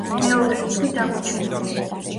მეორე რიცხვი დაგვრჩება.